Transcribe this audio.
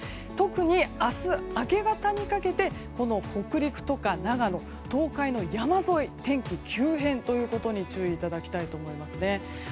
特に明日明け方にかけて北陸とか長野東海の山沿い天気急変ということに注意いただきたいと思います。